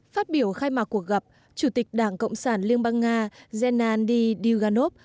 phát biểu khai mạc cuộc gặp chủ tịch đảng cộng sản liên bang nga gennady diganov